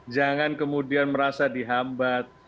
jangan kemudian merasa dihambat